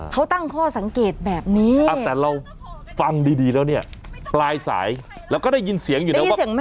เขาตั้งข้อสังเกตแบบนี้แต่เราฟังดีแล้วเนี่ยปลายสายเราก็ได้ยินเสียงอยู่นะว่า